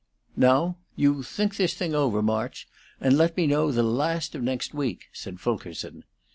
"Now, you think this thing over, March, and let me know the last of next week," said Fulkerson.